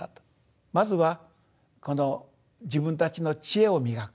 まずはこの自分たちの知恵を磨く